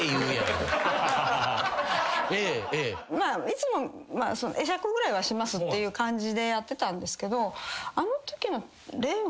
いつも会釈ぐらいはしますっていう感じでやってたんですけど。